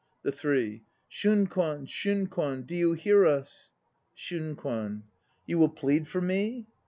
THE THREE. Shunkwan, Shunkwan, do you hear us? SHUNKWAN. You will plead for me?